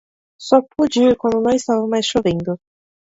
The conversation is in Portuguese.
Só pude ir quando não estava mais chovendo